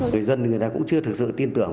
người dân thì người ta cũng chưa thực sự tin tưởng